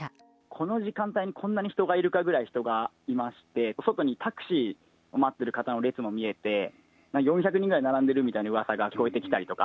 この時間帯にこんなに人がいるかというぐらい人がいまして、外にタクシーを待ってる方の列も見えて、４００人ぐらい並んでるみたいなうわさが聞こえてきたりとか。